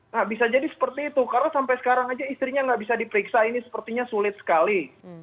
nah bisa jadi seperti itu karena sampai sekarang aja istrinya nggak bisa diperiksa ini sepertinya sulit sekali